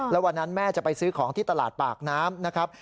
แล้ววันนั้นแม่จะไปซื้อของที่ตลาดปากน้ำนะครับ